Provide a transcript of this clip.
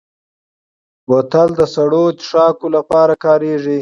بوتل د سړو څښاکو لپاره کارېږي.